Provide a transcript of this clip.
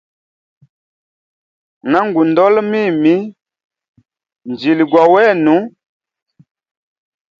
Na ngu ndola mimi, njili gwa wenu.